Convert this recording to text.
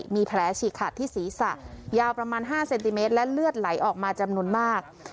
มีแผลฉีกขาดที่ศีรษะยาวประมาณ๕เซนติเมตรและเลือดไหลออกมาจำนวนมาก